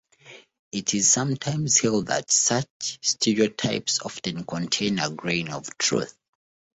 It is sometimes held that such stereotypes often contain a grain of truth.